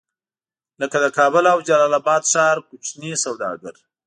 لکه د کابل او جلال اباد ښار کوچني سوداګر.